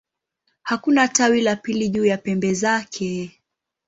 Hakuna tawi la pili juu ya pembe zake.